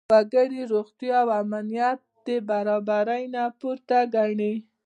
وګړي روغتیا او امنیت د برابرۍ نه پورته ګڼي.